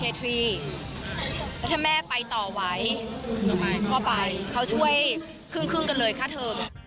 ถ้าแม่ไปต่อไหวก็ไปเขาช่วยครึ่งกันเลยค่าเทิม